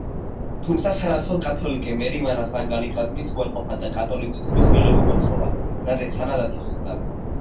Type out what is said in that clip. თუმცა სანაცვლოდ კათოლიკე მერიმ ანას ანგლიკანიზმის უარყოფა და კათოლიციზმის მიღება მოსთხოვა, რაზეც ანა დათანხმდა.